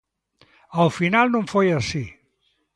Ao final non foi así.